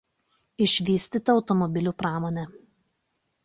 Išvystyta automobilių pramonė.